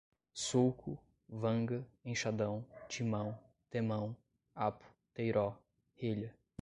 sulco, vanga, enxadão, timão, temão, apo, teiró, relha